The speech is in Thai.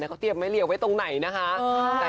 ก็เตรียมไม้เหลี่ยวไว้ตรงไหนน่าค่ะ